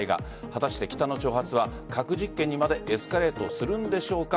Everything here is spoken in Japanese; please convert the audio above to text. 果たして北の挑発は核実験にまでエスカレートするんでしょうか。